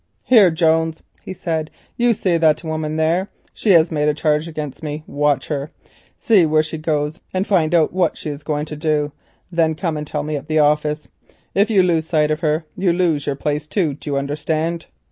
"Here, Jones," he said, "you see that woman there. She has made a charge against me. Watch her. See where she goes to, and find out what she is going to do. Then come and tell me at the office. If you lose sight of her, you lose your place too. Do you understand?"